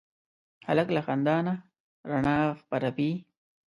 هلک له خندا رڼا خپروي.